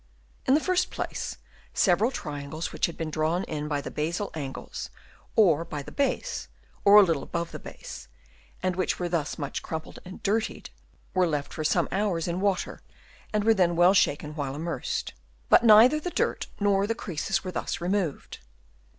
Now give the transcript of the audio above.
In the first place several triangles which had been drawn in by the basal angles, or by the base, or a little above the base, and which were thus much crumpled and dirtied, were left for some hours in water and were then well shaken while immersed ; but neither the dirt nor the creases were thus removed.